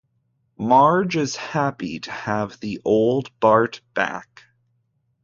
Marge is happy to have the old Bart back.